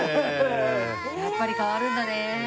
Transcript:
やっぱり変わるんだね。